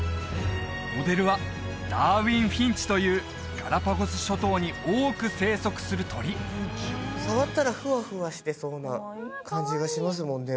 モデルはダーウィンフィンチというガラパゴス諸島に多く生息する鳥触ったらふわふわしてそうな感じがしますもんね